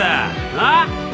なっ？